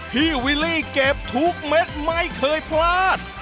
วิลลี่เก็บทุกเม็ดไม่เคยพลาด